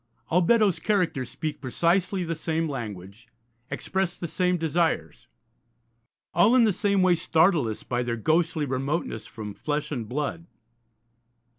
All Beddoes' characters speak precisely the same language, express the same desires; all in the same way startle us by their ghostly remoteness from flesh and blood.